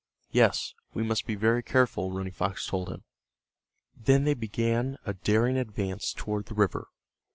"Yes, we must be very careful," Running Fox told him. Then they began a daring advance toward the river.